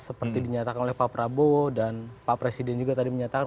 seperti dinyatakan oleh pak prabowo dan pak presiden juga tadi menyatakan